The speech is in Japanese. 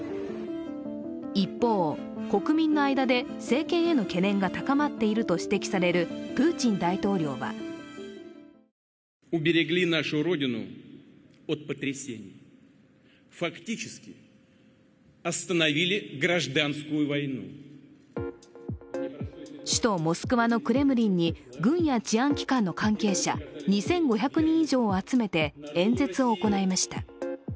一方、国民の間で政権への懸念が高まっているとされるプーチン大統領は首都モスクワのクレムリンに軍や治安機関の関係者、２５００人以上を集めて演説を行いました。